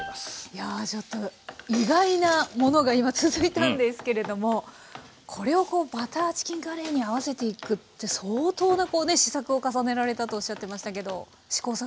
いやちょっと意外なものが今続いたんですけれどもこれをバターチキンカレーに合わせていくって相当な試作を重ねられたとおっしゃってましたけど試行錯誤は？